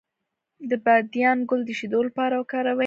د بادیان ګل د شیدو لپاره وکاروئ